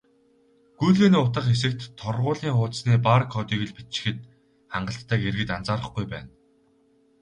"Гүйлгээний утга" хэсэгт торгуулийн хуудасны бар кодыг л бичихэд хангалттайг иргэд анзаарахгүй байна.